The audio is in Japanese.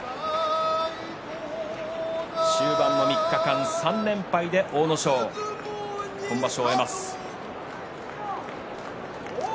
終盤３日間、３連敗で阿武咲、今場所終わります。